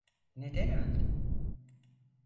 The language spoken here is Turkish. Neden öldü?